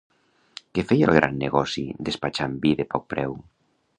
Que feia el gran negoci despatxant vi de poc preu.